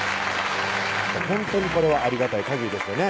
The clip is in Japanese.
ほんとにこれはありがたいかぎりですよね